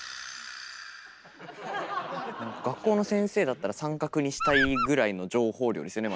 学校の先生だったら「△」にしたいぐらいの情報量ですよね